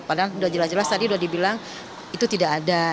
padahal sudah jelas jelas tadi udah dibilang itu tidak ada